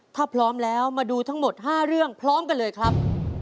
ถ้าพร้อมแล้วมาดูทั้งหมด๕เรื่องพร้อมกันเลยครับ